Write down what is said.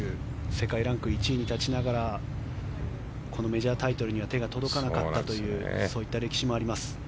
世界ランク１位に立ちながらこのメジャータイトルには手が届かなかったというそういう歴史もあります。